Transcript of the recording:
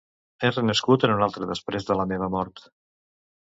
He renascut en una altra després de la meva mort.